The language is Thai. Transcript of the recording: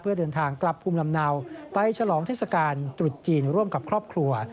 เพื่อเดินทางกลับภูมิลำเนาไปฉลองเทศกาลตรุษจีนร่วมกับครอบครัว